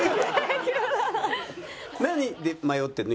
何で迷ってるの？